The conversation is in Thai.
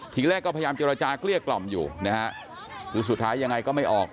ทีแรกก็พยายามเจรจาเกลี้ยกล่อมอยู่นะฮะคือสุดท้ายยังไงก็ไม่ออก